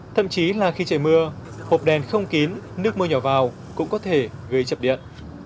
thậm chí là khi trời mưa hộp đèn không kín nước mưa nhỏ vào cũng có thể gây chập điện